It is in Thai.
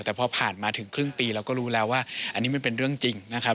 แต่พอผ่านมาถึงครึ่งปีเราก็รู้แล้วว่าอันนี้มันเป็นเรื่องจริงนะครับ